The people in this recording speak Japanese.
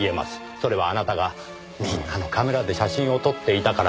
それはあなたがみんなのカメラで写真を撮っていたから。